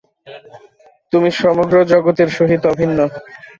তুমি সমগ্র জগতের সহিত অভিন্ন।